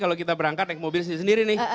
kalau kita berangkat naik mobil sendiri nih